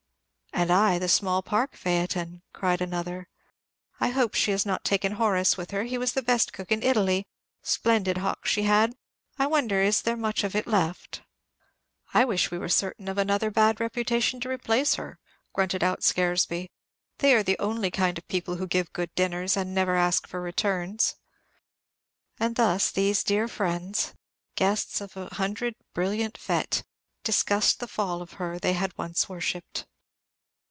"And I, the small park phaeton," cried another. "I hope she has not taken Horace with her; he was the best cook in Italy. Splendid hock she had, I wonder is there much of it left?" "I wish we were certain of another bad reputation to replace her," grunted out Scaresby; "they are the only kind of people who give good dinners, and never ask for returns." And thus these dear friends guests of a hundred brilliant fêtes discussed the fall of her they once had worshipped.